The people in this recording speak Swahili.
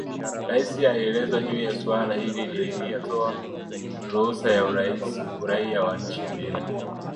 Rais alielezwa juu ya suala hili ilia toe ruhusa ya uraia wa nchi mbili